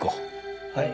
はい。